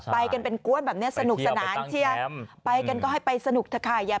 ไปกันนเป็นก้วดแบบเนี้ยสนุกสนานเชียไปกันก็ให้ไปสนุกอย่า